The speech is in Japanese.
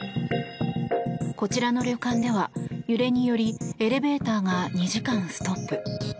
こちらの旅館では揺れによりエレベーターが２時間ストップ。